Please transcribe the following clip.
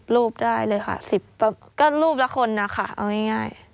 รูปได้เลยค่ะ๑๐แบบก็รูปละคนนะคะเอาง่าย